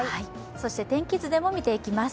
そして天気図でも見ていきます。